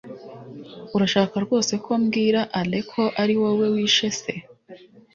urashaka rwose ko mbwira alain ko ari wowe wishe se